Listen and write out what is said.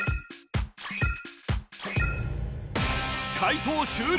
解答終了